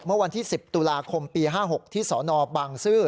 เมื่อวันที่๑๐ตุลาคมปี๕๖ที่สนบางซื่อ